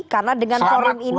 karena dengan quorum ini